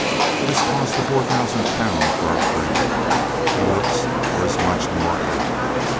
It has cost a four thousand pound for our friend. He looks for as much more after.